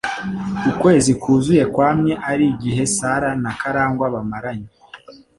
Ukwezi kuzuye kwamye ari igihe Sarah na Karangwa bamaranye.